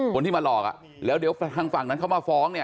คนนที่มาหลอกแล้วเดี๋ยวทางฝั่งมาฟ้อง